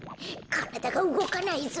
からだがうごかないぞ。